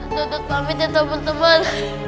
dodot pamit ya teman teman